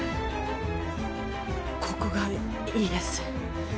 ここがいいです。